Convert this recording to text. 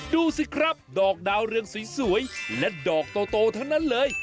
ดูสิครับดอกดาวเรืองสวยและดอกโตทั้งนั้นเลย